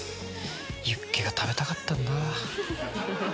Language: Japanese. ユッケが食べたかったんだ。